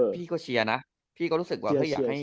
พี่ก็เชียร์นะ